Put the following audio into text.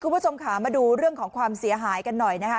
คุณผู้ชมค่ะมาดูเรื่องของความเสียหายกันหน่อยนะคะ